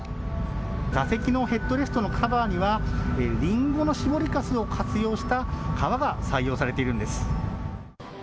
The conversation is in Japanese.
座席のヘッドレストのカバーには、りんごの搾りかすを活用した革が採用されているんです。